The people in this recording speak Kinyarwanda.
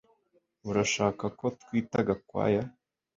Urashaka ko twita Gakwaya